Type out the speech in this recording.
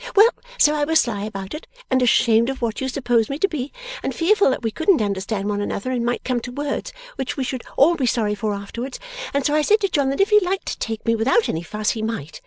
Well! So I was sly about it, and ashamed of what you supposed me to be, and fearful that we couldn't understand one another and might come to words, which we should all be sorry for afterwards, and so I said to John that if he liked to take me without any fuss, he might.